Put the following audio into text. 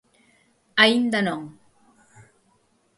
_Aínda non.